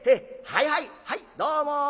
はいはいはいどうも。